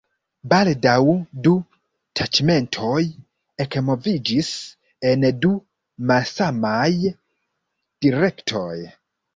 Baldaŭ du taĉmentoj ekmoviĝis en du malsamaj direktoj.